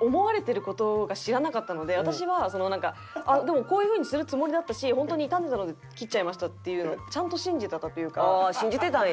私はなんかこういうふうにするつもりだったしホントに傷んでたので切っちゃいましたっていうのああ信じてたんや。